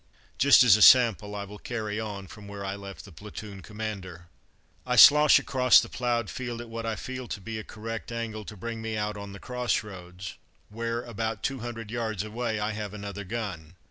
Just as a sample, I will carry on from where I left the platoon commander. I slosh across the ploughed field at what I feel to be a correct angle to bring me out on the cross roads, where, about two hundred yards away, I have another gun.